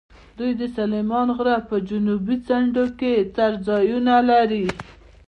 دوی د سلیمان غره په جنوبي څنډو کې څړځایونه لري.